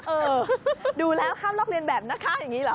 เออดูแล้วข้ามลอกเรียนแบบนะคะอย่างนี้เหรอ